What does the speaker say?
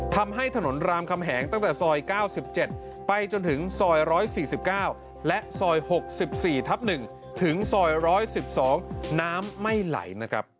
ทำให้ถนนรามคำแหงตั้งแต่ซอย๙๗ไปจนถึงซอย๑๔๙และซอย๖๔ทับ๑ถึงซอย๑๑๒น้ำไม่ไหลนะครับ